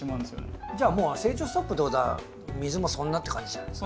じゃあもう成長ストップってことは水もそんなって感じじゃないですか。